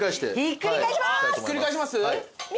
ひっくり返します？